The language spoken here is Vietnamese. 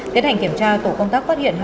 tiến hành kiểm tra tổ công tác phát hiện